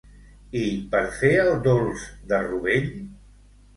I per fer el dolç de rovell?